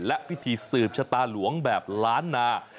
และพิธีสืบชะตาหลวงแบบล้านนา